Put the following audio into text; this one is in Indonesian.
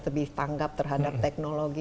lebih tanggap terhadap teknologi